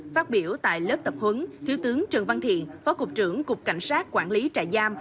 phát biểu tại lớp tập huấn thiếu tướng trần văn thiện phó cục trưởng cục cảnh sát quản lý trại giam